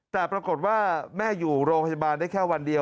แต่ปรากฏว่าแม่อยู่โรงพยาบาลได้แค่วันเดียว